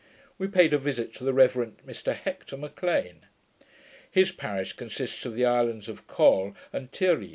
We paid a visit to the Reverend Mr Hector M'Lean. His parish consists of the islands of Col and Tyr yi.